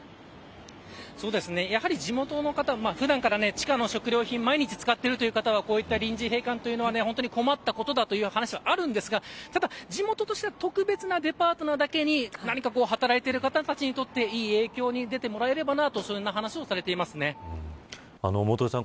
地元の方、普段から地下の食料品を毎日使っているという方は臨時閉館は困ったことだという話はありますがただ、地元としては特別なデパートなだけに何か働いている方たちにとっていい影響になってくれればというそういう話をされています。